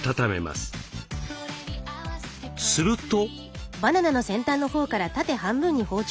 すると。